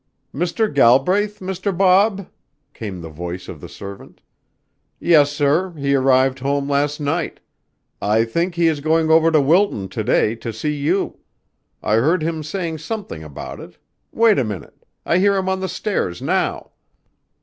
"Mr. Galbraith, Mr. Bob?" came the voice of the servant. "Yes, sir, he arrived home last night. I think he is going over to Wilton to day to see you. I heard him saying something about it. Wait a minute. I hear him on the stairs now."